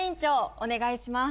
お願いします。